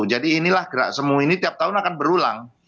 jadi inilah gerak semu ini tiap tahun akan berulang